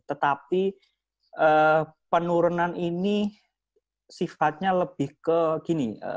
tetapi penurunan ini sifatnya lebih ke gini